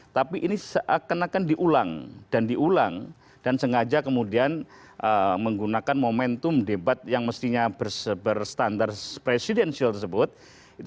tapi ini seakan akan diulang dan diulang dan sengaja kemudian menggunakan momentum debat yang mestinya berstandar presidensial tersebut